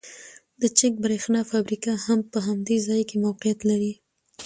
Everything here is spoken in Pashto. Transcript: د چک د بریښنا فابریکه هم په همدې ځای کې موقیعت لري